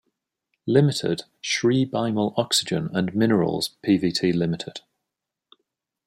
Limited, Shree Bimal Oxygen and Minerals Pvt.Ltd.